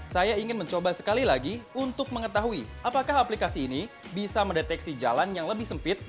saya ingin mencoba sekali lagi untuk mengetahui apakah aplikasi ini bisa mendeteksi jalan yang lebih sempit